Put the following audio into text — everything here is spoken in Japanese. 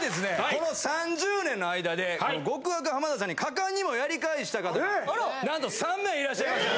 この３０年の間で極悪浜田さんに果敢にもやり返した方がなんと３名いらっしゃいました。